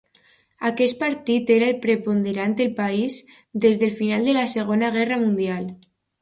Aquest partit era el preponderant al país des del final de la Segona Guerra Mundial.